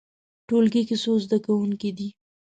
ټولګی کې څو زده کوونکي دي؟